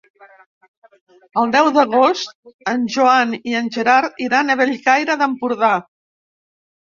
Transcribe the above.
El deu d'agost en Joan i en Gerard iran a Bellcaire d'Empordà.